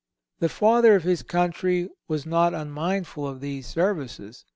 The Father of his Country was not unmindful of these services.